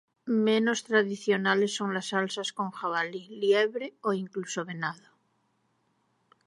Menos tradicionales son las salsas con jabalí, liebre o incluso venado.